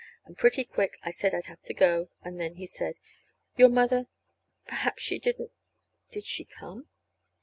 And pretty quick I said I'd have to go. And then he said: "Your mother perhaps she didn't did she come?"